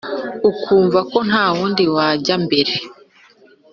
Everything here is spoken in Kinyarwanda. ukumva ko nta wundi wajya mbere